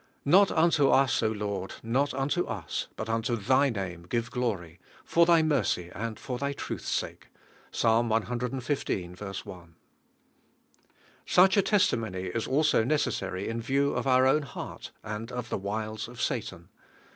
"Not unto us, Lord, not unto us, but unto Thy name give glory, for Thy mercy and for Thy truth's sake" (I'sa. ixv. 1). Such a testimony is also necessary in view of our own heart and of the wiles of Satan.